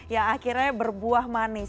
ya akhirnya berbuah manis